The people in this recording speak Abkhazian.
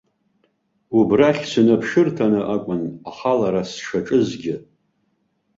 Убрахь сынаԥшырҭаны акәын ахалара сшаҿызгьы.